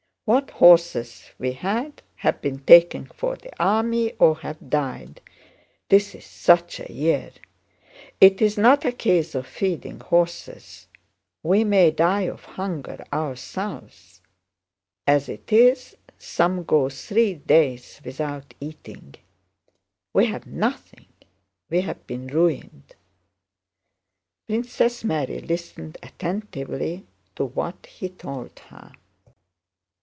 "What horses we had have been taken for the army or have died—this is such a year! It's not a case of feeding horses—we may die of hunger ourselves! As it is, some go three days without eating. We've nothing, we've been ruined." Princess Mary listened attentively to what he told her.